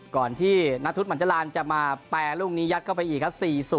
ก่อนที่นทุษย์หมั่นจรานจะมาแปลรุ่งนี้ยัดเข้าไปอีกครับ๔๐